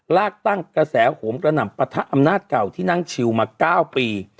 ลากตั้งกระแสโหมกระหน่ำปะทะอำนาจเก่าที่นั่งชิวมา๙ปี